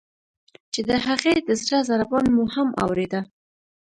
چې د هغې د زړه ضربان مو هم اوریده.